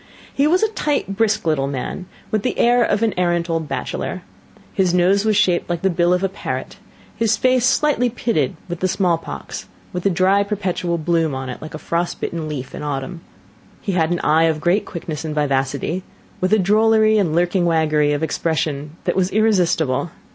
He was a tight, brisk little man, with the air of an arrant old bachelor. His nose was shaped like the bill of a parrot; his face slightly pitted with the smallpox, with a dry perpetual bloom on it, like a frost bitten leaf in autumn. He had an eye of great quickness and vivacity, with a drollery and lurking waggery of expression that was irresistible.